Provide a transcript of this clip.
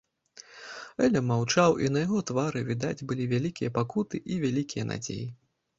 Эля маўчаў, і на яго твары відаць былі вялікія пакуты і вялікія надзеі.